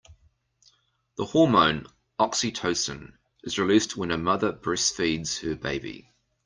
The hormone oxytocin is released when a mother breastfeeds her baby.